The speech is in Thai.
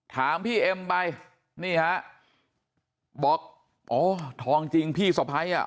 ถามพี่เอ็มไปนี่ฮะบอกอ๋อทองจริงพี่สะพ้ายอ่ะ